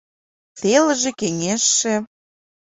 Телыже-кеҥежше.